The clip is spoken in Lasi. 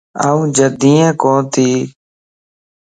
آن جڍين ڪوتي